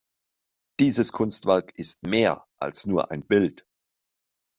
Dieses Kunstwerk ist mehr als nur ein Bild.